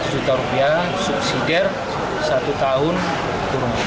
dua ratus juta rupiah subsidiary satu tahun turun